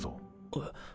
えっ。